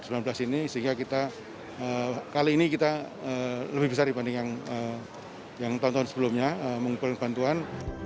sehingga kita kali ini kita lebih besar dibanding yang tahun tahun sebelumnya mengumpulkan bantuan